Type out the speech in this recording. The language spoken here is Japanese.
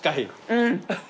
うん。